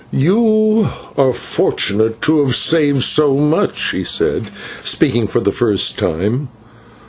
"You are fortunate to have saved so much," he said, speaking for the first time.